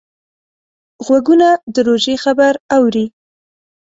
غوږونه د روژې خبر اوري